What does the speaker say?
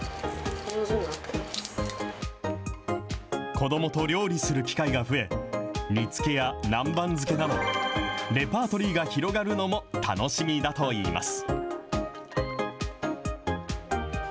子どもと料理する機会が増え、煮付けや南蛮漬けなど、レパートリーが広がるのも楽しみだといいます。